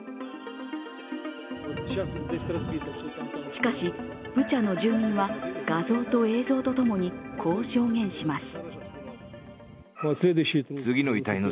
しかし、ブチャの住民は画像と映像とともに、こう証言します。